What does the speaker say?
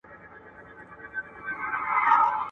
ایا د باران په وخت کي د تازه هوا تنفس کول خوندور دي؟